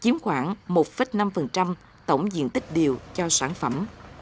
tức khoảng hai hectare chiếm khoảng một năm tổng diện tích điều cho sản phẩm